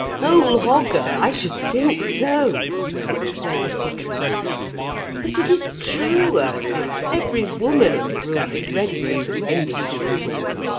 "Whole hogger! I should think so!" exclaimed Gudrun. "But it is true, Ursula, every woman in the room was ready to surrender to him.